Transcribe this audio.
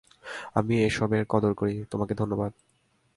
আমি এসবের কদর করি, তোমাকে ধন্যবাদ।